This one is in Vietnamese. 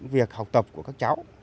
việc học tập của các cháu